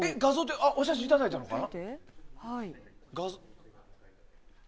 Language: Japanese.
お写真いただいたのかな。